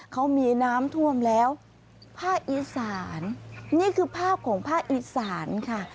เขามีน้ำท่วมแล้วภาคอีสานนี่คือภาพของภาคอีสานค่ะ